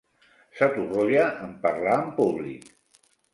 S'atorrolla en parlar en públic.